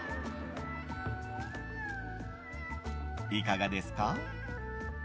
いかがですか？